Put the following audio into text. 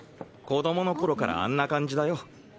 子供の頃からあんな感じだよ。